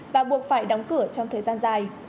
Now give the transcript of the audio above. và buộc phải đóng cửa trong thời gian dài